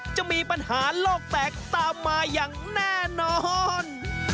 จะมีปัญหาโลกแตกตามมาอย่างแน่นอน